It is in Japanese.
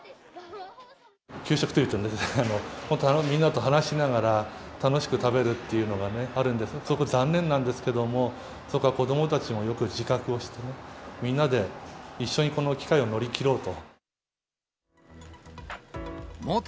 給食というと、本当はみんなと話しながら楽しく食べるっていうのがあるんですが、ちょっと残念なんですけども、そこは子どもたちもよく自覚をしてね、みんなで一緒にこの機会を乗り切ろうと。